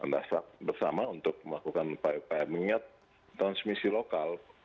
dasar bersama untuk melakukan upaya upaya mengingat transmisi lokal